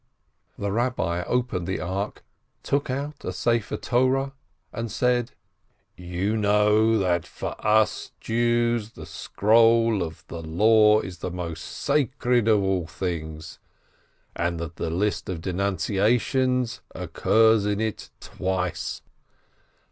The Eabbi opened the ark, took out a scroll of the Law, and said: "You know that for us Jews the scroll of the Law is the most sacred of all things, and that the list of denun ciations occurs in it twice.